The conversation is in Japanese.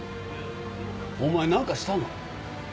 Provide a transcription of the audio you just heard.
お前何かしたの？